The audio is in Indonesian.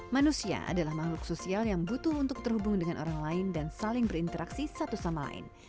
manusia adalah makhluk sosial yang butuh untuk terhubung dengan orang lain dan saling berinteraksi satu sama lain